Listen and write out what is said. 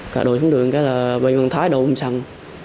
cả đồ xuống đường là bệnh vận thoát đổ bùm xăng